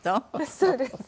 そうです。